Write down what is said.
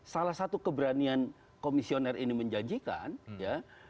salah satu keberanian komisioner ini menjanjikan ya